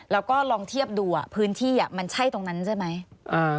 แล้วก็ลองเทียบดูพื้นที่มันใช่ตรงนั้นใช่ไหม